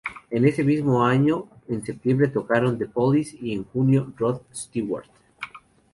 En ese mismo año, en septiembre, tocaron The Police y en junio Rod Stewart.